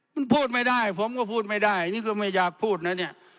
มันพูดไม่ได้ผมก็พูดไม่ได้อันนี้ก็ไม่อยากพูดนะเนี่ย